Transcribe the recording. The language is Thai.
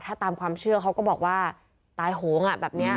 ถ้าตามความเชื่อเขาก็บอกว่าตายโหงแบบนี้